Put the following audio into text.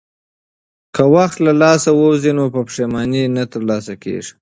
که وخت له لاسه ووځي نو په پښېمانۍ نه ترلاسه کېږي.